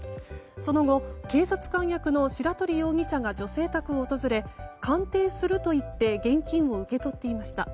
その後、警察官役の白鳥容疑者が女性宅を訪れ鑑定すると言って現金を受け取っていました。